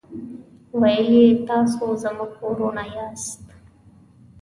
ویل یې تاسو زموږ ورونه یاست.